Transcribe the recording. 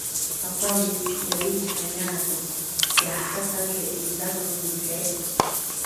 Ақәа леит, иауит ҳәа иаабац, иҳаҳац ажәа еизадала имҳәеит.